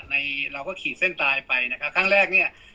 ในเราขีดเส้นตายไปทั้งแรกเนี่ย